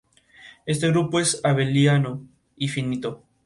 Este grupo es abeliano y finito.